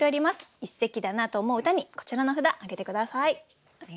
一席だなと思う歌にこちらの札挙げて下さい。